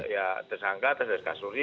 ya tersangka atas kasus ini